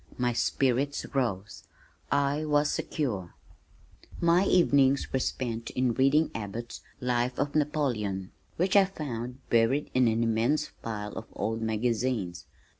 My spirits rose. I was secure. My evenings were spent in reading Abbott's Life of Napoleon which I found buried in an immense pile of old magazines.